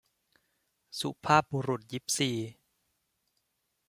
สุภาพบุรุษยิปซี